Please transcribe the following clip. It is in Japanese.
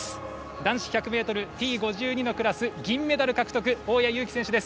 男子１００ｍＴ５２のクラス銀メダル獲得大矢勇気選手です。